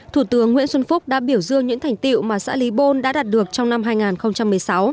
thủ tướng nguyễn xuân phúc đã biểu dương những thành tiệu mà xã lý bôn đã đạt được trong năm hai nghìn một mươi sáu